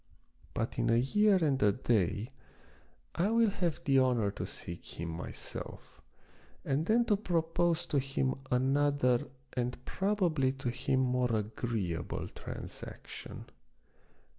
But in a year and a day I will have the honor to seek him myself, and then to propose to him another and probably to him more agreeable transaction.